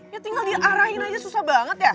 ya tinggal diarahin aja susah banget ya